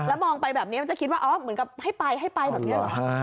แล้วมองไปแบบนี้มันจะคิดว่าเหมือนกับให้ไปแบบนี้หรือ